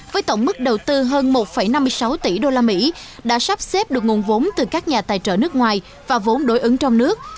với tổng mức đầu tư hơn một năm mươi sáu tỷ usd đã sắp xếp được nguồn vốn từ các nhà tài trợ nước ngoài và vốn đối ứng trong nước